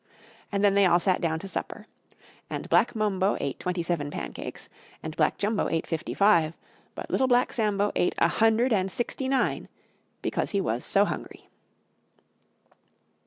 And then they all sat down to supper. And Black Mumbo ate Twenty seven pancakes, and Black Jumbo ate Fifty five, but Little Black Sambo ate a Hundred and Sixty nine, because he was so hungry.